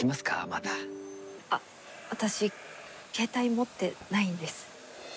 またあっ私携帯持ってないんです